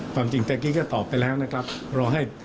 ความจริงเต็กกี้ก็ตอบไปแล้วนะครับ